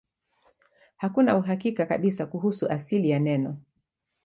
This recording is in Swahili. Hakuna uhakika kabisa kuhusu asili ya neno.